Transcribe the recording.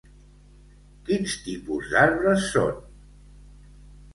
Quins tipus d'arbres són?